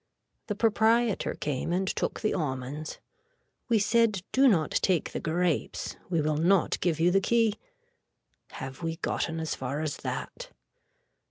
The proprietor came and took the almonds. We said do not take the grapes, we will not give you the key. Have we gotten as far as that.